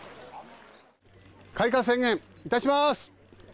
開花宣言いたします。